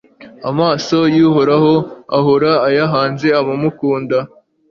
amaso y'uhoraho ahora ayahanze abamukunda